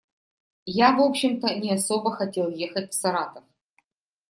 Я, в общем-то, не особо хотел ехать в Саратов.